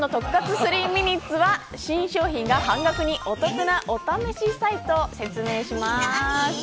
３ｍｉｎｕｔｅｓは新商品が半額にお得なお試しサイトを説明します。